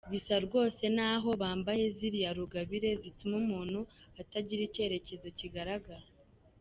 Bisa rwose n’aho bambaye ziriya rugabire zituma umuntu atagira icyerekezo kigaragara.